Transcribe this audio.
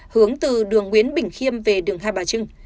hướng từ đường nguyễn bình khiêm về đường hai bà trưng